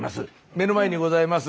目の前にございます